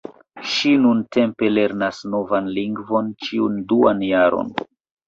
Ŝi nuntempe lernas novan lingvon ĉiun duan jaron.